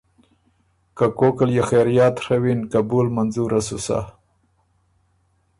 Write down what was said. که کوک ال يې خېریات ڒوِّن قبول منظوره سُو سَۀ۔